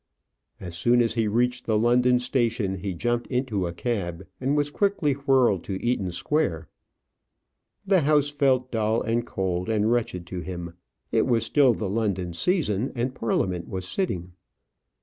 As soon as he reached the London station, he jumped into a cab, and was quickly whirled to Eaton Square. The house felt dull, and cold, and wretched to him. It was still the London season, and Parliament was sitting.